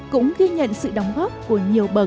cũng ghi nhận sự đóng góp của nhiều bậc